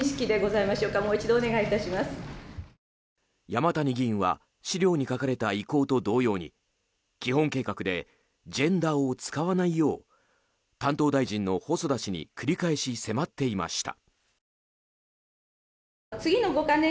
山谷議員は資料に書かれた意向と同様に基本計画でジェンダーを使わないよう担当大臣の細田氏に繰り返し迫っていました。